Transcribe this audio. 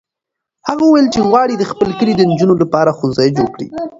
هغه وویل چې غواړي د خپل کلي د نجونو لپاره ښوونځی جوړ کړي.